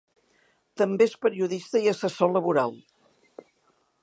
També és periodista i assessor laboral.